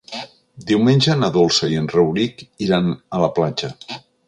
Diumenge na Dolça i en Rauric iran a la platja.